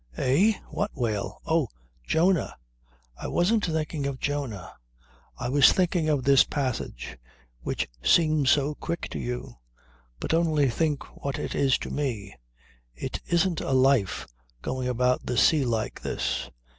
"Eh? What whale? Oh! Jonah. I wasn't thinking of Jonah. I was thinking of this passage which seems so quick to you. But only think what it is to me? It isn't a life, going about the sea like this.